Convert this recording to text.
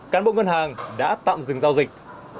cán bộ ngân hàng đã tạm dừng giao dịch